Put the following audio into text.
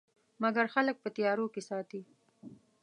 مګر خلک په تیارو کې ساتي.